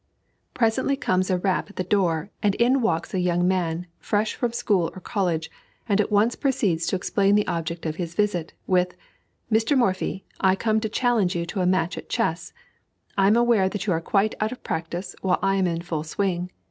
Presently comes a rap at the door, and in walks a young man, fresh from school or college, and at once proceeds to explain the object of his visit, with: "Mr. Morphy, I come to challenge you to a match at chess. I am aware that you are quite out of practice, while I am in full swing.